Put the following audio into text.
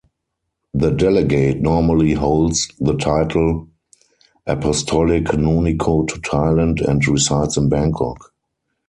The Delegate normally holds the title Apostolic Nuncio to Thailand and resides in Bangkok.